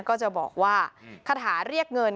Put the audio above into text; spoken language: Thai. ก็จะบอกว่าคาถาเรียกเงิน